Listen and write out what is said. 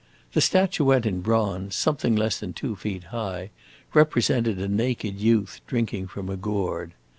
The statuette, in bronze, something less than two feet high, represented a naked youth drinking from a gourd.